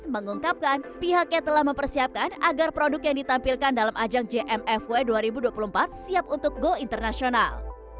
mengungkapkan pihaknya telah mempersiapkan agar produk yang ditampilkan dalam ajang jmfw dua ribu dua puluh empat siap untuk go internasional